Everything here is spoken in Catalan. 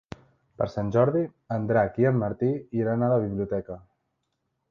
Per Sant Jordi en Drac i en Martí iran a la biblioteca.